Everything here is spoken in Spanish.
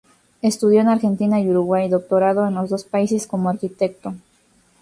Estudió en Argentina y Uruguay, doctorado en los dos países como arquitecto.